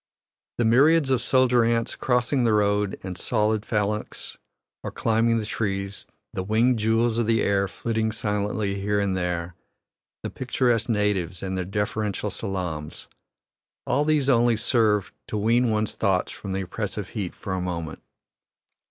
The myriads of soldier ants crossing the road in solid phalanx or climbing the trees, the winged jewels of the air flitting silently here and there, the picturesque natives and their deferential salaams all these only serve to wean one's thoughts from the oppressive heat for a moment.